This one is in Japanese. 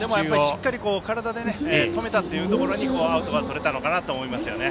しっかり体で止めたところにアウトがとれたのかなと思いますね。